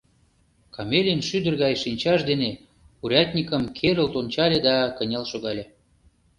Комелин шӱдыр гай шинчаж дене урядникым керылт ончале да кынел шогале.